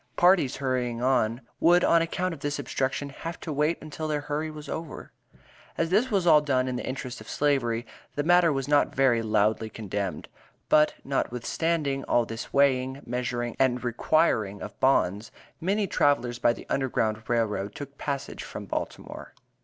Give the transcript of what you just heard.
Parties hurrying on would on account of this obstruction "have to wait until their hurry was over." As this was all done in the interest of Slavery, the matter was not very loudly condemned. But, notwithstanding all this weighing, measuring and requiring of bonds, many travelers by the Underground Rail Road took passage from Baltimore.